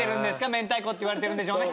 明太子って言われてるんでしょうね。